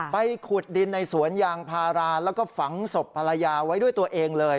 ขุดดินในสวนยางพาราแล้วก็ฝังศพภรรยาไว้ด้วยตัวเองเลย